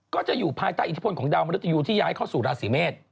ก็จะอยู่ภายใต้อิทธิพลของดาวมนุษยูที่ย้ายเข้าสู่ราศีเมษ